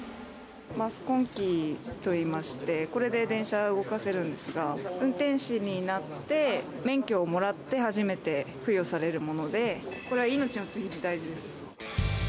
マスコンキーといいまして、これで電車動かせるんですが、運転士になって、免許をもらって初めて付与されるもので、これは命の次に大事です。